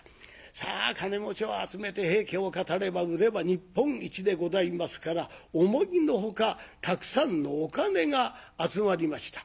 さあ金持ちを集めて「平家」を語れば腕は日本一でございますから思いの外たくさんのお金が集まりました。